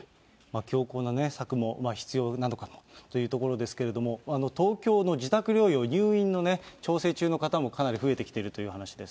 強硬な策も必要なのかもというところですけれども、東京の自宅療養、入院のね、調整中の方もかなり増えてきている話です。